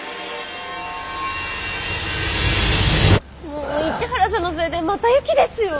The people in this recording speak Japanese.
もう市原さんのせいでまた雪ですよ。